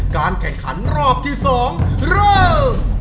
การแข่งขันรอบที่๒เริ่ม